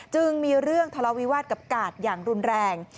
จึงมีเรื่องทะเลาวิวาสกับกาดอย่างรุนแรง